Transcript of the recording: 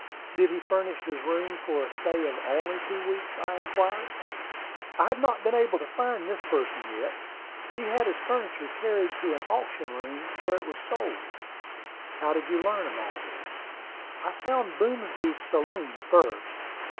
"Did he furnish his room for a stay of only two weeks?" I inquired. "I have not been able to find the person yet. He had his furniture carried to an auction room, where it was sold." "How did you learn all this?" "I found Boomsby's saloon first.